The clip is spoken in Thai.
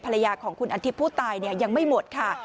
ภรรยาของคุณอาทิตย์ผู้ตายยังไม่หมดค่ะ